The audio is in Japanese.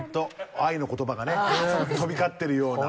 愛の言葉がね飛び交ってるような。